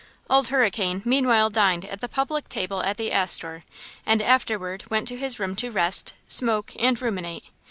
OLD HURRICANE meanwhile dined at the public table at the Astor, and afterward went to his room to rest, smoke and ruminate.